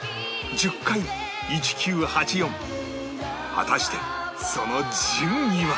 果たしてその順位は